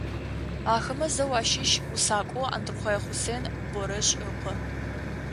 Ахэмэ зэу ащыщ усакӏоу Андрыхъое Хъусен Борэжъ ыкъо.